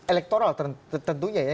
elektoral tentunya ya